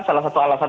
salah satu alasan